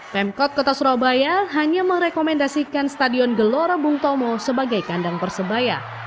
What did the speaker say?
pemkot kota surabaya hanya merekomendasikan stadion gelora bung tomo sebagai kandang persebaya